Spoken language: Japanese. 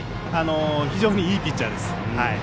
非常にいいピッチャーです。